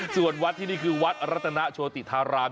ส่วนวัดที่นี่คือวัดรัตนาโชติธาราม